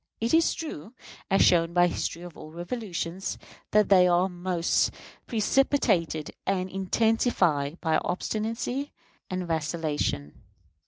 It is true, as shown by the history of all revolutions, that they are most precipitated and intensified by obstinacy and vacillation.